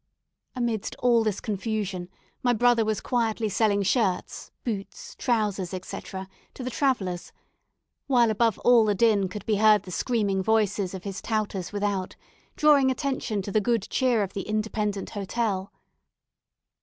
Amidst all this confusion, my brother was quietly selling shirts, boots, trousers, etc., to the travellers; while above all the din could be heard the screaming voices of his touters without, drawing attention to the good cheer of the Independent Hotel.